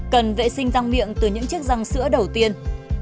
cần vệ sinh răng miệng từ những chiếc răng sữa đầu tiên